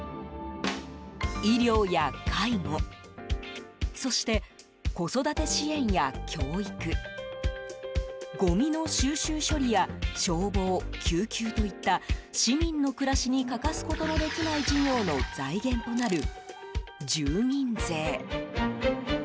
医療や介護そして子育て支援や教育ごみの収集処理や消防・救急といった市民の暮らしに欠かすことのできない事業の財源となる住民税。